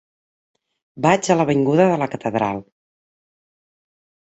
Vaig a l'avinguda de la Catedral.